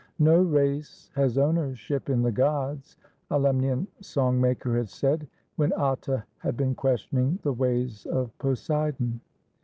"No race has ownership in the gods," a Lemnian song maker had said, when Atta had been questioning the ways of Poseidon.